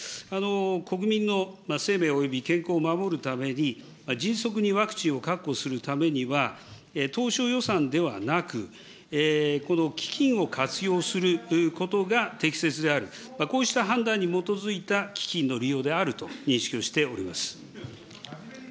国民の生命および健康を守るために、迅速にワクチンを確保するためには、当初予算ではなく、基金を活用することが適切である、こうした判断に基づいた基金の利用であると認識をしております。